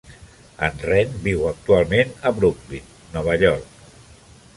En Renn viu actualment a Brooklyn, Nova York.